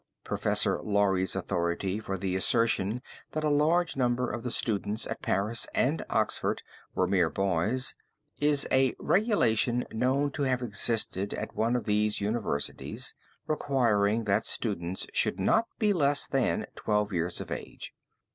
Professor Laurie's authority for the assertion that a large number of the students at Paris and Oxford were mere boys, is a regulation known to have existed at one of these universities requiring that students should not be less than twelve years of age.